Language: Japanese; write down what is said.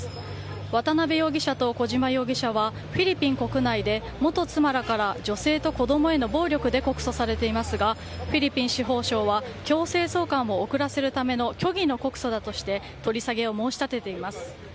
渡辺容疑者と小島容疑者はフィリピン国内で元妻らから女性と子供への暴力で告訴されていますがフィリピン司法省は強制送還を遅らせるための虚偽の告訴だとして取り下げを申し立てています。